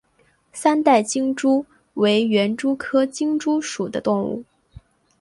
三带金蛛为园蛛科金蛛属的动物。